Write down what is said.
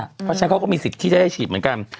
เพราะฉะนั้นเขาก็มีสิทธิ์ที่จะได้ฉีดเหมือนกัน